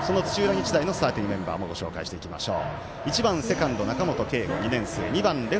日大のスターティングメンバーもご紹介していきましょう。